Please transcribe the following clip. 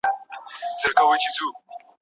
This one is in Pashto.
دوه شاهان په مملکت کي نه ځاییږي